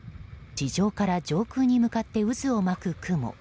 地上から上空に向かって渦を巻く雲。